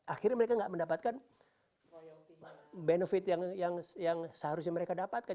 akhirnya mereka tidak mendapatkan benefit yang seharusnya mereka dapatkan